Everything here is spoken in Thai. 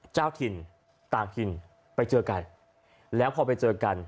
เจ้าถิ่นต่างถิ่นไปเจอกันแล้วพอไปเจอกัน